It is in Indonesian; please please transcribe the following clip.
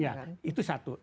iya itu satu